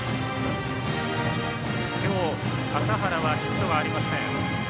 今日、麻原はヒットがありません。